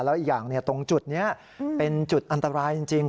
แล้วอีกอย่างตรงจุดนี้เป็นจุดอันตรายจริง